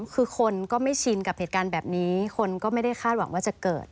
คือคนก็ไม่ชินกับเหตุการณ์แบบนี้คนก็ไม่ได้คาดหวังว่าจะเกิด